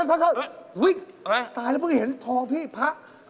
ถ้าตายแล้วเพิ่งเห็นทองพี่พระ